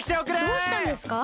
どうしたんですか？